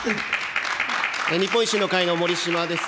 日本維新の会の守島です。